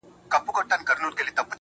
زما د سترگو له جوړښته قدم اخله,